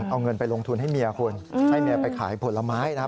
เอาเงินไปลงทุนให้เมียคุณให้เมียไปขายผลไม้นะครับ